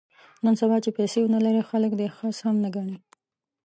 نن سبا چې پیسې ونه لرې خلک دې خس هم نه ګڼي.